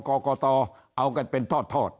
กรกตเอากันเป็นทอด